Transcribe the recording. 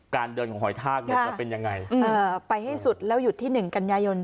การเดินของหอยทากเนี่ยจะเป็นยังไงเอ่อไปให้สุดแล้วหยุดที่หนึ่งกันยายน